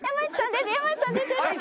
山内さん出てる。